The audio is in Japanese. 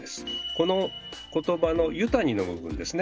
この言葉の「湯谷」の部分ですね。